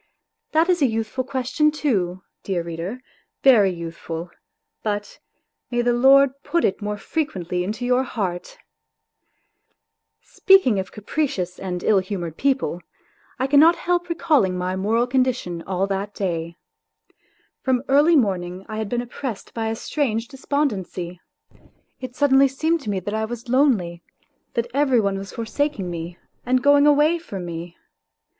That is a youthful question too, dear reader, very youthful, but may the Lord put it more frequently into your heart !... Speaking of capricious and ill humoured people, I cannot help recalling my moral condition all that day. From early morning I had been oppressed by a strange despondency. It suddenly seemed to me that I was lonely, that every one was forsaking me and going away from me.